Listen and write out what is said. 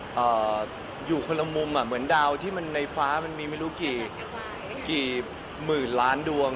เอ่ออยู่คนละมุมอ่ะเหมือนดาวที่มันในฟ้ามันมีไม่รู้กี่กี่หมื่นล้านดวง